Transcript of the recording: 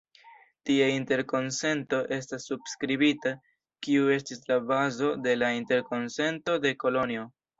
Tie interkonsento estas subskribita, kiu estis la bazo de la Interkonsento de Kolonjo.